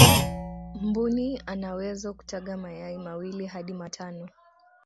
mbuni anawezo kutaga mayai mawili hadi matano